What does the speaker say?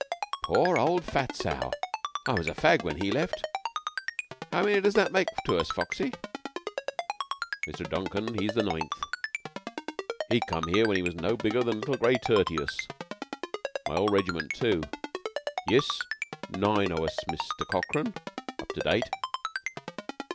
"Poor old Fat Sow! I was a fag when he left. How many does that make to us, Foxy?" "Mr. Duncan, he is the ninth. He come here when he was no bigger than little Grey tertius. My old regiment, too. Yiss, nine to us, Mr. Corkran, up to date."